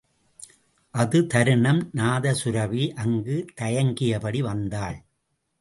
அது தருணம், நாதசுரபி அங்கு தயங்கியபடி வந்தாள்.